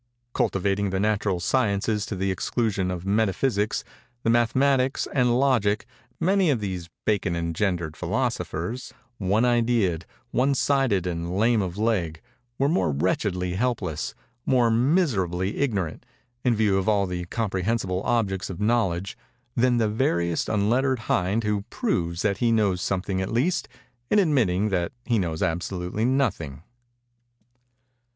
Cultivating the natural sciences to the exclusion of Metaphysics, the Mathematics, and Logic, many of these Bacon engendered philosophers—one idead, one sided and lame of a leg—were more wretchedly helpless—more miserably ignorant, in view of all the comprehensible objects of knowledge, than the veriest unlettered hind who proves that he knows something at least, in admitting that he knows absolutely nothing.